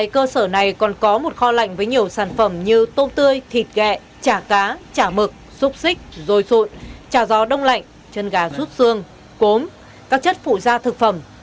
cơ sở này còn có một kho lạnh với nhiều sản phẩm như tôm tươi thịt ghẹ chả cá chả mực xúc xích rồi sụn chả gió đông lạnh chân gà rút xương cốm các chất phụ da thực phẩm